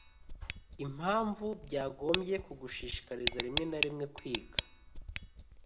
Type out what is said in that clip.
impamvu byagombye kugushishikariza rimwe na rimwe kwiga